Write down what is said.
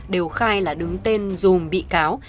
đều khai là đứng tên dùm bị cáo